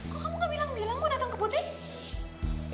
kok kamu gak bilang bilang kamu datang ke putih